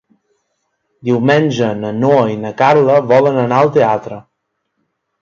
Diumenge na Noa i na Carla volen anar al teatre.